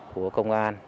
của công an